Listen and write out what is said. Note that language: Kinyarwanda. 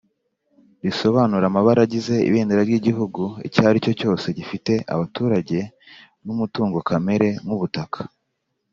risobanura amabara agize Ibendera ry Igihugu icyari cyo cyose gifite abaturage numutungo kamere nk’ ubutaka